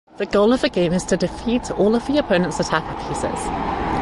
The goal of the game is to defeat all of the opponents attacker pieces.